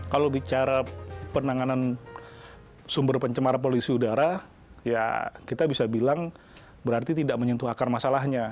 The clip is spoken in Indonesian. kalau bicara penanganan sumber pencemaran polusi udara ya kita bisa bilang berarti tidak menyentuh akar masalahnya